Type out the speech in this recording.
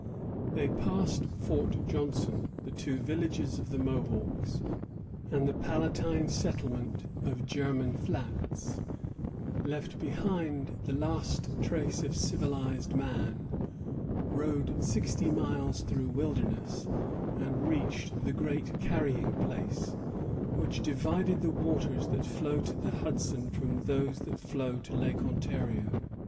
They passed Fort Johnson, the two villages of the Mohawks, and the Palatine settlement of German Flats; left behind the last trace of civilized man, rowed sixty miles through a wilderness, and reached the Great Carrying Place, which divided the waters that flow to the Hudson from those that flow to Lake Ontario.